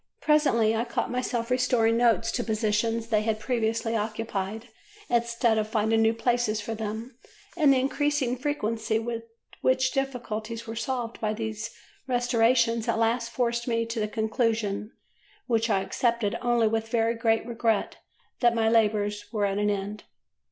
Presently I caught myself restoring notes to positions they had previously occupied instead of finding new places for them, and the increasing frequency with which difficulties were solved by these restorations at last forced me to the conclusion, which I accepted only with very great regret, that my labours were at an end.